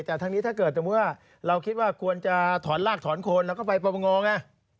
แต่ทางนี้ถ้าเกิดท่านบั๊วเราคิดว่าควรจะถอนรากถอนโค้งแล้วก็ไปประบางอนไง